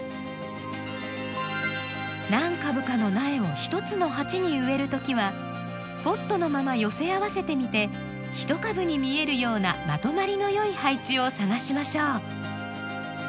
何株かの苗を１つの鉢に植えるときはポットのまま寄せ合わせてみて１株に見えるようなまとまりのよい配置を探しましょう。